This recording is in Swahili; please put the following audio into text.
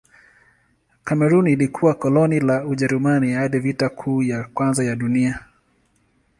Kamerun ilikuwa koloni la Ujerumani hadi Vita Kuu ya Kwanza ya Dunia.